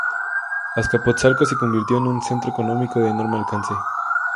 Azcapotzalco se convirtió en un centro económico de enorme alcance.